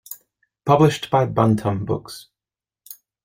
Published by Bantam Books.